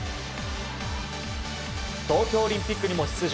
東京オリンピックにも出場。